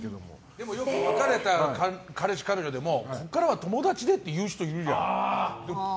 でもよく別れた彼氏、彼女でもここからは友達でって言う人いるじゃん。